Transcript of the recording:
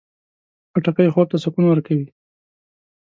خټکی خوب ته سکون ورکوي.